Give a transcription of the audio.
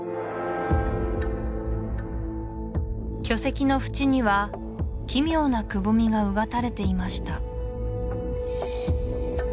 巨石の縁には奇妙なくぼみがうがたれていました